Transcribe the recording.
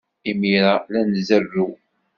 Imir-a, la nzerrew.